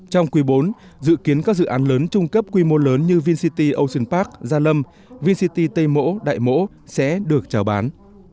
trong quý bốn dự kiến các dự án lớn trung cấp quy mô lớn như vincity ocean park gia lâm vincity tây mỗ đại mỗ sẽ được trào bán